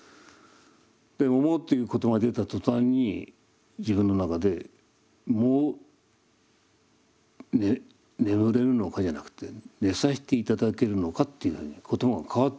でも「も」という言葉が出た途端に自分の中で「も眠れるのか」じゃなくて「寝させて頂けるのか」っていうふうに言葉が変わってるんですよね。